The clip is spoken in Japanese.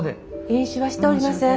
飲酒はしておりません。